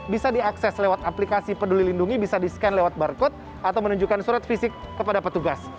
bisa diakses lewat aplikasi peduli lindungi bisa di scan lewat barcode atau menunjukkan surat fisik kepada petugas